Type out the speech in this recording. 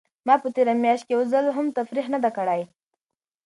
ما په تېره میاشت کې یو ځل هم تفریح نه ده کړې.